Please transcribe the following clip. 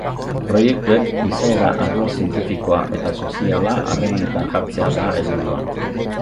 Proiektuek izaera arlo zientifikoa eta soziala harremanetan jartzea da helburua.